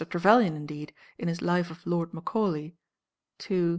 Trevelyan, indeed, in his 'Life of Lord Macaulay' (ii.